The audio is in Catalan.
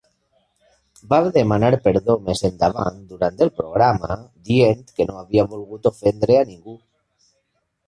Va demanar perdó més endavant durant el programa, dient que no havia volgut ofendre a ningú.